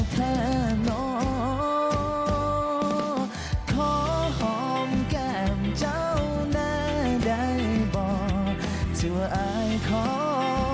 ขออีกสองทีอิ่มแก้มในเดือดคนดีพี่เธอหอม